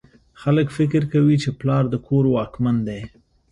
خلک فکر کوي چې پلار د کور واکمن دی